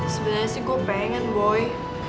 sebenarnya sih gue pengen boy